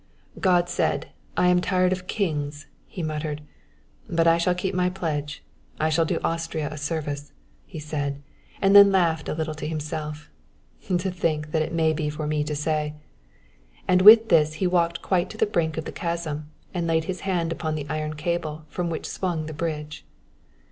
"God said, 'I am tired of kings,'" he muttered. "But I shall keep my pledge; I shall do Austria a service," he said; and then laughed a little to himself. "To think that it may be for me to say!" And with this he walked quite to the brink of the chasm and laid his hand upon the iron cable from which swung the bridge.